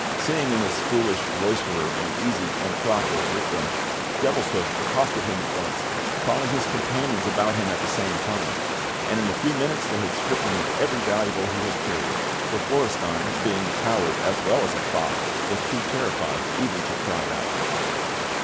Seeing in this foolish roysterer an easy and profitable victim, Devilshoof accosted him at once, calling his companions about him at the same time; and in a few minutes they had stripped him of every valuable he had carried, for Florestein, being a coward as well as a fop, was too terrified even to cry out.